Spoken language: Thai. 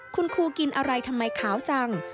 คุณครูกินอะไรทำไมขาวจัง